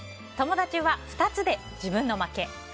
友達は２つで自分の負け。